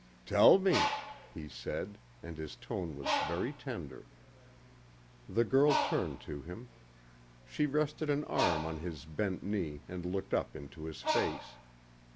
"Tell me," he said, and his tone was very tender. The girl turned to him. She rested an arm on his bent knee and looked up into his face.